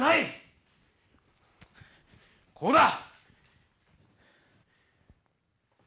こうだ。